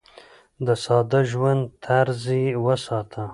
د ساده ژوند طرز يې وساته.